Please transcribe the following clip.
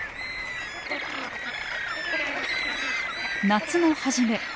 夏の初め。